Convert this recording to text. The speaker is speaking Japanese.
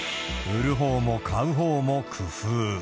売るほうも買うほうも工夫。